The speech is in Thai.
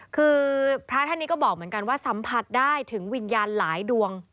คือพระท่านนี้ก็บอกเหมือนกันว่าสัมผัสได้ถึงวิญญาณหลายดวง